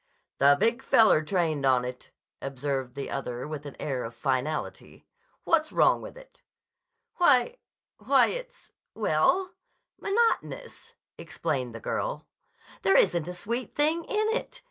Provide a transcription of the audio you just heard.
"The Big Feller trained on it," observed the other with an air of finality. "What's wrong with it?" "Why—why—it's—well—monotonous," explained the girl. "There isn't a sweet thing in it.